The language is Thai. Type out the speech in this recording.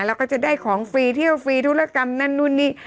แล้วก็จะได้ของฟรีเที่ยวฟรีธุรกรรมนั่นนู่นนี่